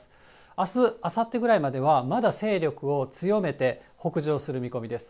あす、あさってぐらいまでは、まだ勢力を強めて、北上する見込みです。